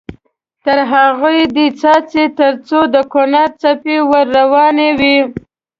تر هغو دې څاڅي تر څو د کونړ څپې ور روانې وي.